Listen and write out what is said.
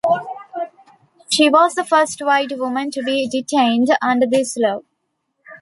She was the first white woman to be detained under this law.